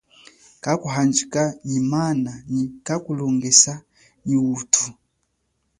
Kakuhanjika nyi mana nyi kakulongesa nyi utu.